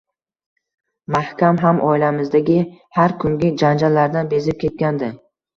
Mahkam ham oilamizdagi har kungi janjallardan bezib ketgandi